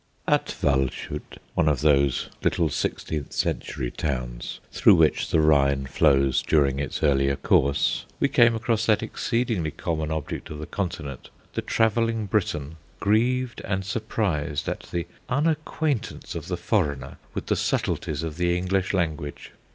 At Waldshut, one of those little sixteenth century towns through which the Rhine flows during its earlier course, we came across that exceedingly common object of the Continent: the travelling Briton grieved and surprised at the unacquaintance of the foreigner with the subtleties of the English language.